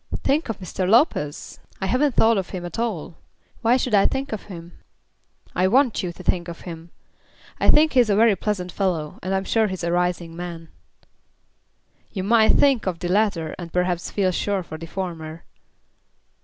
"Think of Mr. Lopez! I haven't thought of him at all. Why should I think of him?" "I want you to think of him. I think he's a very pleasant fellow, and I'm sure he's a rising man." "You might think the latter, and perhaps feel sure of the former."